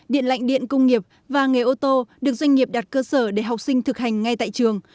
điện lạnh điện công nghiệp và nghề ô tô được doanh nghiệp đặt cơ sở để học sinh thực hành ngay tại trường